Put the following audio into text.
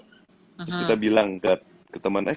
terus kita bilang ke temennya